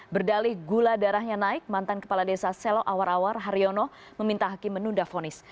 berdalih gula darahnya naik mantan kepala desa selo awar awar haryono meminta hakim menunda fonis